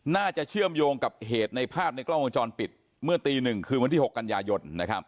เชื่อมโยงกับเหตุในภาพในกล้องวงจรปิดเมื่อตี๑คืนวันที่๖กันยายน